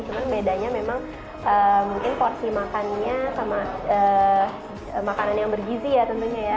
cuma bedanya memang mungkin porsi makannya sama makanan yang bergizi ya tentunya ya